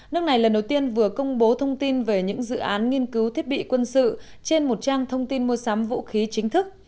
nước này lần đầu tiên vừa công bố thông tin về những dự án nghiên cứu thiết bị quân sự trên một trang thông tin mua sắm vũ khí chính thức